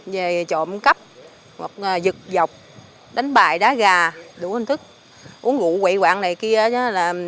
về trộm cắp giật dọc đánh bài đá gà đủ hình thức uống rượu quậy quạng này kia